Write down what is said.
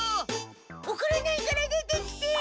おこらないから出てきて！